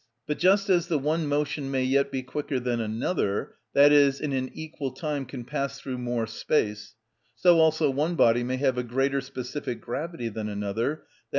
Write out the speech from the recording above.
But just as the one motion may yet be quicker than another, i.e., in an equal time can pass through more space, so also one body may have a greater specific gravity than another, _i.